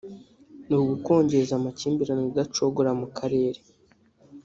ni ugukongeza amakimbirane adacogora mu karere